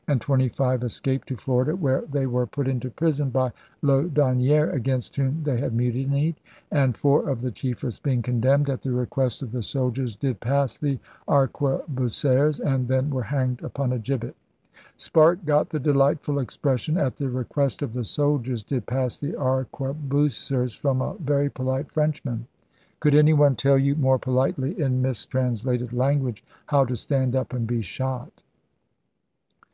. and twenty five escaped ... to Florida, where ... they were put into prison [by Laudonniere, against whom they had mutinied] and ... four of the chiefest being condemned, at the request of the soldiers did pass the arquebusers, and then were hanged upon a gibbet.' Sparke got the delightful ex pression 'at the request of the soldiers did pass the arquebusers' from a 'very polite' Frenchman. Could any one tell you more politely, in mistrans lated language, how to stand up and be shot?